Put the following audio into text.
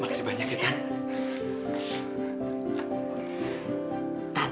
makasih banyak ya tan